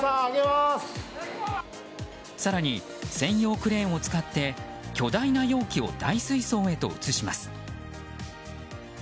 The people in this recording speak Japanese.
更に専用クレーンを使って巨大な容器を大水槽へと移します。